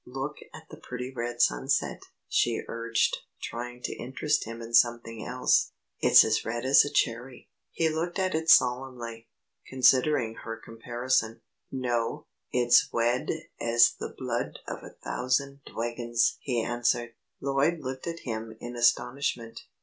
"Look at the pretty red sunset," she urged, trying to interest him in something else. "It's as red as a cherry." He looked at it solemnly, considering her comparison. "No, it's wed as the blood of a thousand dwagons," he answered. Lloyd looked at him in astonishment.